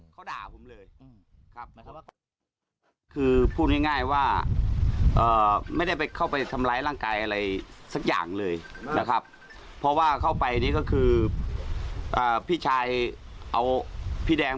เธอจะมีการไปแจ้งความด้วยนะครับจงไม่มีมือการเดียวอีเต้น